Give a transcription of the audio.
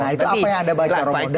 nah itu apa yang anda baca romo